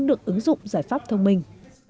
được ứng dụng giải pháp thông minh